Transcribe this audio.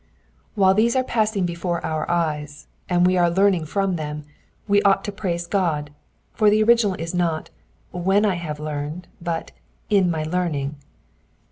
While these are passing before our eyes, and we are learning from them, wc ought to pruise God, for I lie original is not, when I have learned," but, in my learning."